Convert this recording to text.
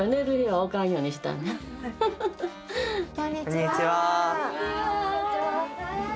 こんにちは。